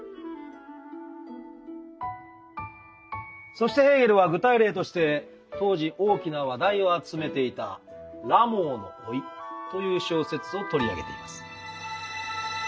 そしてヘーゲルは具体例として当時大きな話題を集めていた「ラモーの甥」という小説を取り上げています。